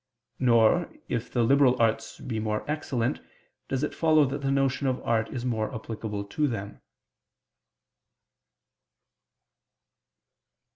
Nor, if the liberal arts be more excellent, does it follow that the notion of art is more applicable to them.